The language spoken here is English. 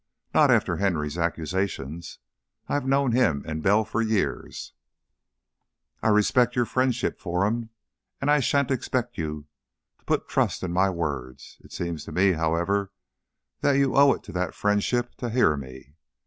Not after Henry's accusations. I've known him and Bell for years " "I respect your friendship for them, and I sha'n't expect you to put trust in my words. It seems to me, however, that you owe it to that friendship to hear me.